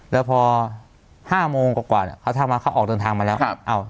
แล้วพอ๕โมงกว่าเขาออกทันทางมาแล้ว